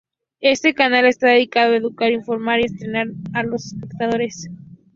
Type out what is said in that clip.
Este canal está dedicado a educar, informar y entretener a los espectadores.